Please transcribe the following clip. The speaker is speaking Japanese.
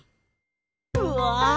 うわ！